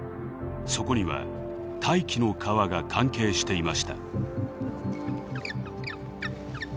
そこには「大気の川」が関係していました。